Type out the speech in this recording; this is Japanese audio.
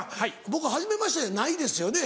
僕はじめましてやないですよね？